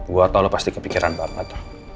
gue tau lo pasti kepikiran banget